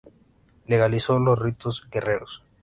Legalizó los ritos guerreros.